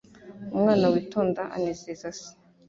Umwana witonda anezeza se